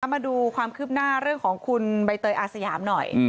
มาดูความคืบหน้าเรื่องของคุณใบเตยอาสยามหน่อย